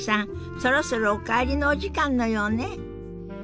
そろそろお帰りのお時間のようね。